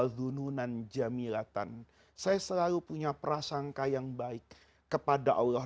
saya selalu punya prasangka yang baik kepada allah